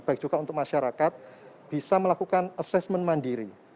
baik juga untuk masyarakat bisa melakukan assessment mandiri